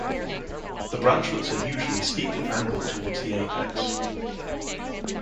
The branchlets are usually steeply angled towards the apex.